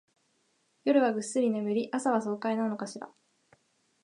夜はぐっすり眠り、朝は爽快なのかしら